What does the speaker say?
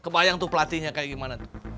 bayang pelatihnya seperti apa